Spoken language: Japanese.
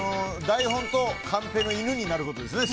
台本とカンペの犬になることですね。